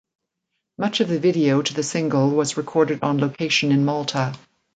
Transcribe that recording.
Much of the video to the single was recorded on location in Malta.